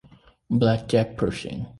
"Black Jack" Pershing.